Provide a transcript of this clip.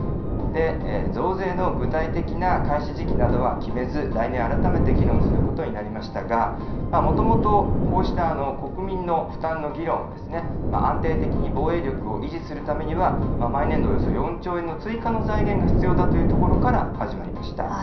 増税の具体的な開始時期などは決めず、来年、改めて議論することになりましたが、もともと、こうした国民の負担の議論は、安定的に防衛力を維持するためには、毎年度およそ４兆円の追加の財源が必要だというところから始まりました。